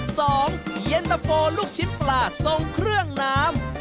สองเย็นตะโฟลูกชิ้นปลาทรงเครื่องน้ำ